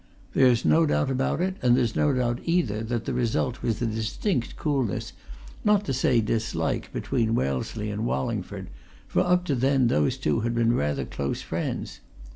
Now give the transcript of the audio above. There's no doubt about it; and there's no doubt, either, that the result was a distinct coolness, not to say dislike, between Wellesley and Wallingford, for up to then those two had been rather close friends.